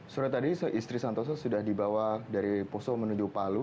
sore tadi istri santoso sudah dibawa dari poso menuju palu